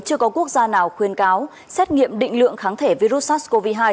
chưa có quốc gia nào khuyên cáo xét nghiệm định lượng kháng thể virus sars cov hai